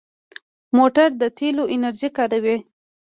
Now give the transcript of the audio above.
موټر د تېلو انرژي کاروي.